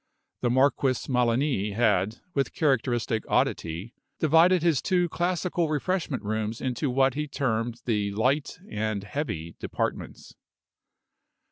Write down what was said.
The Marquis Melani had, with characteristic oddity, divided his two classical refreshment rooms into what he termed the Light and Heavy Departments.